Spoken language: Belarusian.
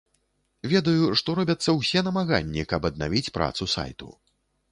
Ведаю, што робяцца ўсе намаганні, каб аднавіць працу сайту.